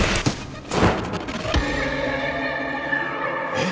えっ？